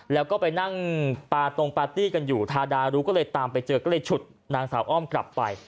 แล้วก็ไปนั่งปาตรงปาร์ตี้กันอยู่ทาดารู้ก็เลยตามไปเจอก็เลยฉุดนางสาวอ้อมกลับไป